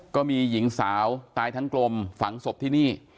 ก็มีหญิงสาวตายทั้งกลมฝังศพที่นี่